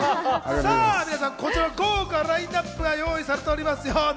皆さん、こちら豪華なラインナップが用意されております。